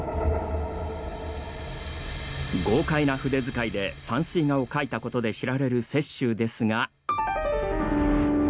豪快な筆づかいで山水画を描いたことで知られる雪舟ですが。